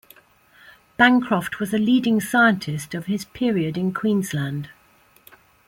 Bancroft was a leading scientist of his period in Queensland.